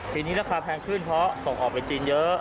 ปีนี้ราคาแพงขึ้นเพราะส่งออกไปจีนเยอะ